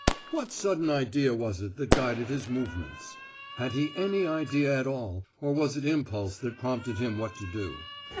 What sudden idea was it that guided his movements? Had he any idea at all, or was it impulse that prompted him what to do?